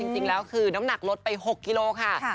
จริงแล้วคือน้ำหนักลดไป๖กิโลค่ะ